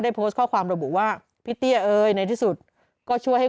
โพสต์ข้อความระบุว่าพี่เตี้ยเอ๋ยในที่สุดก็ช่วยให้